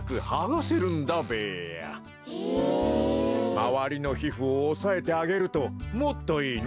まわりのひふをおさえてあげるともっといいね。